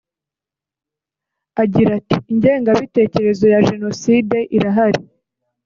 Agira ati “Ingengabitekerezo ya Jenoside irahari